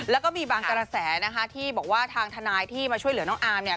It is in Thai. แล้วก็มีบางกระแสนะคะที่บอกว่าทางทนายที่มาช่วยเหลือน้องอาร์มเนี่ย